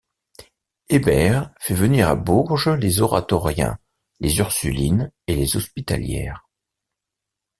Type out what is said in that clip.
Hébert fait venir à Bourges les oratoriens, les ursulines et les hospitalières.